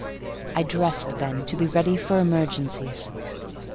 I dressed, then, to be ready for emergencies.